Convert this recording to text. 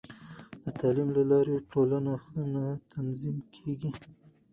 د تعلیم له لارې، ټولنه ښه تنظیم کېږي.